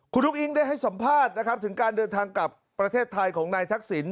คุณอุ้งอิงได้ให้สัมภาษณ์นะครับถึงการเดินทางกลับประเทศไทยของนายทักษิณ